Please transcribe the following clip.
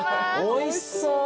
おいしそう。